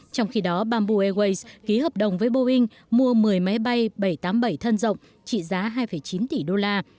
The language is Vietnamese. trong khi đó bamboo airways ký hợp đồng với boeing mua một mươi máy bay bảy trăm tám mươi bảy thân rộng trị giá hai chín tỷ đô la